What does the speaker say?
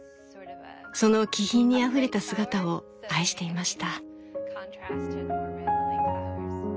その気品にあふれた姿を愛していました。